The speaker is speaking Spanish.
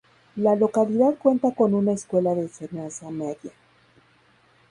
La localidad cuenta con una escuela de enseñanza media.